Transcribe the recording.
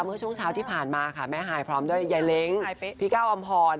เมื่อช่วงเช้าที่ผ่านมาค่ะแม่ฮายพร้อมด้วยยายเล้งพี่ก้าวอำพร